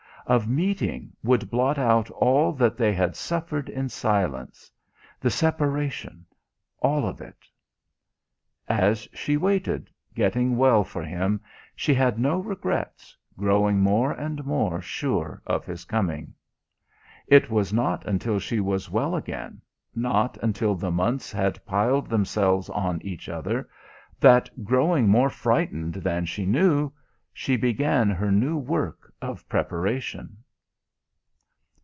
of meeting would blot out all that they had suffered in silence the separation all of it! As she waited, getting well for him, she had no regrets, growing more and more sure of his coming. It was not until she was well again, not until the months had piled themselves on each other, that, growing more frightened than she knew, she began her new work of preparation.